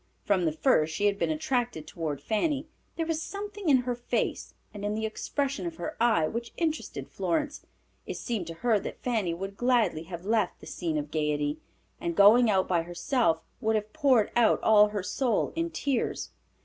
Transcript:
From the first she had been attracted toward Fanny. There was something in her face, and in the expression of her eye, which interested Florence. It seemed to her that Fanny would gladly have left the scene of gayety, and going out by herself, would have poured out all her soul in tears.